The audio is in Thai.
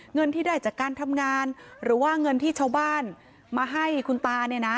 เงินที่ได้จากการทำงานหรือว่าเงินที่ชาวบ้านมาให้คุณตาเนี่ยนะ